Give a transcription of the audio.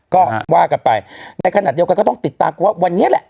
ก็ว่ากันไปในขณะเดียวกันก็ต้องติดตามกันว่าวันนี้แหละ